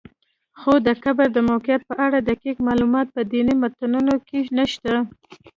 خو د قبر د موقعیت په اړه دقیق معلومات په دیني متونو کې نشته.